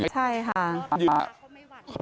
ใช่ค่ะ